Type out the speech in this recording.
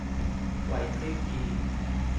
ไหวพริบดี